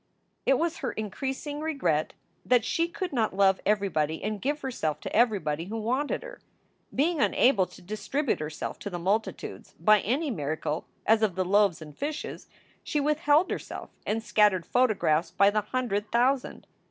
It was her increasing regret that she could not love every body and give herself to everybody w r ho wanted her. Being unable to distribute herself to the multitudes by any miracle as of the loaves and fishes, she withheld herself and scattered photographs by the hundred thousand.